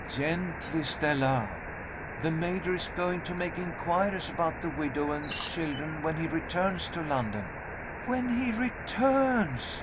"Gently, Stella! The Major is going to make inquiries about the widow and children when he returns to London." "When he returns!"